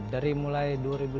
dari mulai dua ribu sebelas